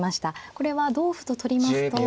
これは同歩と取りますと。